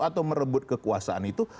atau merebut kekuasaan itu